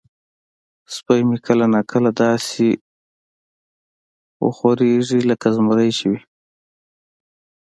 سپی مې کله نا کله داسې وخوریږي لکه زمری چې وي.